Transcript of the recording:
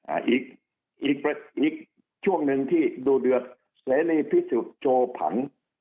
อ่าอีกอีกช่วงหนึ่งที่ดูเดือดเสรีพิสุทธิ์โชว์ผัน